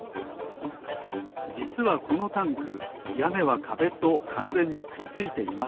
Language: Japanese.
じつはこのタンクやねはかべとかんぜんにくっついていません。